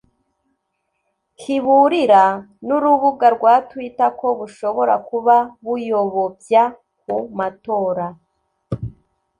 kiburira n'urubuga rwa Twitter ko "bushobora kuba buyobobya ku matora".